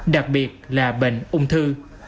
đặc biệt là bệnh ung thư